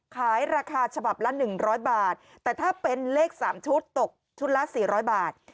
ขายราคาฉบับละ๑๐๐บาทแต่ถ้าเป็นเลข๓ชุดตกชุดละ๔๐๐บาท